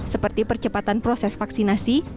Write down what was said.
seperti percepatan proses vaksinasi